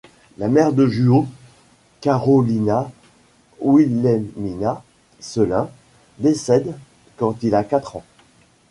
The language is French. La mère de Juho, Karolina Wilhelmina Selin décède quand il a quatre ans.